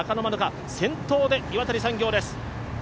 先頭で岩谷産業です。